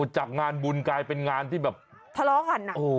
จากงานบุญกลายเป็นงานที่แบบทะเลาะกัน